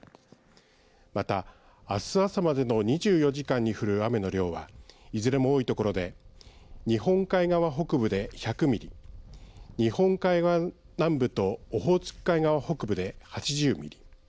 また、あす朝までの２４時間に降る雨の量はいずれも多いところで日本海側北部で１００ミリ日本海側南部とオホーツク海側北部で８０ミリ。